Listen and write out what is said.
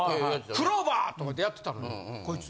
クローバーとかってやってたらこいつ。